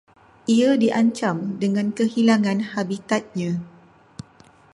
Ia diancam dengan kehilangan habitatnya